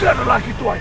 dari dalam kejadian